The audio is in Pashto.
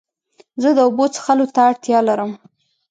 زه د اوبو څښلو ته اړتیا لرم.